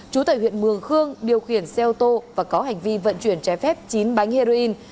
chú tại huyện mường khương điều khiển xe ô tô và có hành vi vận chuyển trái phép chín bánh heroin